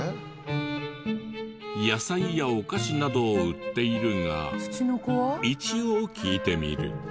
野菜やお菓子などを売っているが一応聞いてみる。